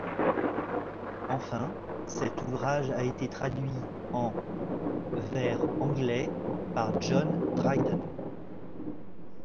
Enfin cet ouvrage a été traduit en vers anglais par John Dryden.